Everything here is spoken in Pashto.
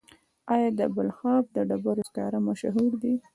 آیا د بلخاب د ډبرو سکاره مشهور دي؟